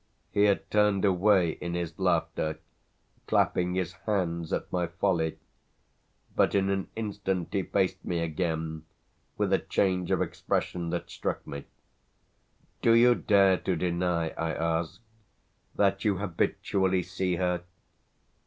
He had turned away in his laughter, clapping his hands at my folly, but in an instant he faced me again, with a change of expression that struck me. "Do you dare to deny," I asked, "that you habitually see her?"